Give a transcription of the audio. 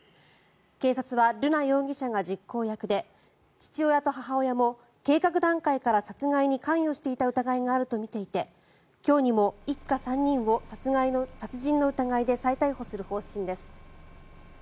警察は、瑠奈容疑者が実行役で父親と母親も計画段階から殺害に関与していた疑いがあるとみていて今日にも一家３人を殺人の疑いで再逮捕する方針です。